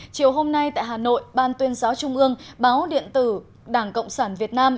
chiều hôm nay tại hà nội ban tuyên giáo trung ương báo điện tử đảng cộng sản việt nam